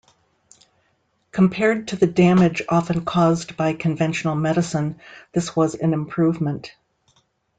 Compared to the damage often caused by conventional medicine, this was an improvement.